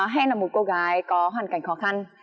hay là một cô gái có hoàn cảnh khó khăn